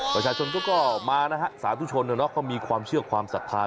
ประชาชนเขาก็มานะฮะสาธุชนเขามีความเชื่อความศรัทธา